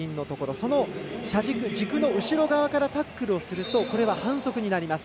その車軸の後ろ側からタックルをすると反則になります。